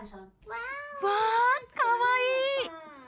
わー、かわいい。